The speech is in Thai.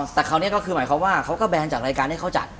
แต่คราวนี้ก็คือหมายความว่าเขาก็แบนจากรายการให้เขาจัด